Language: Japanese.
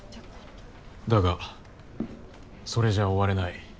だがそれじゃあ終われない。